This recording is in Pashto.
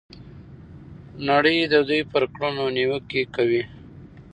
نړۍ د دوی پر کړنو نیوکې کوي.